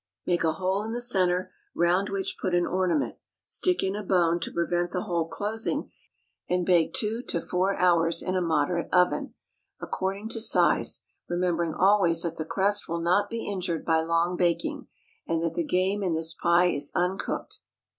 Make a hole in the centre, round which put an ornament; stick in a bone to prevent the hole closing, and bake two to four hours in a moderate oven, according to size, remembering always that the crust will not be injured by long baking, and that the game in this pie is uncooked.